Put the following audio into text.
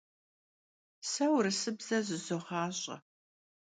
Se vurısıbze zızoğaş'e.